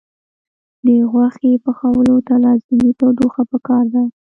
د غوښې پخولو ته لازمي تودوخه پکار ده.